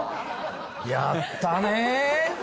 やったねー！